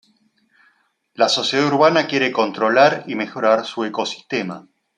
La sociedad urbana quiere controlar y mejorar su ecosistema.